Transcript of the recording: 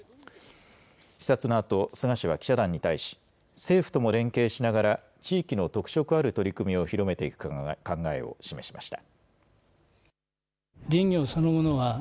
視察のあと、菅氏は記者団に対し、政府とも連携しながら、地域の特色ある取り組みを広めていく考えを示しました。